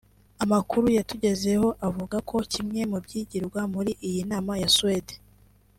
Amakuru yatugezeho avuga ko kimwe mu byigirwa muri iyi nama ya Swede